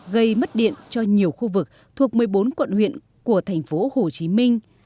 gây mất điện cho nhiều khu vực thuộc một mươi bốn quận huyện của thành phố hồ chí minh